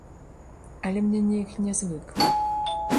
Але мне неяк нязвыкла.